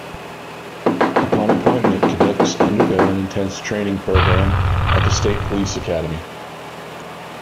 Upon appointment, cadets undergo an intense training program at the State Police Academy.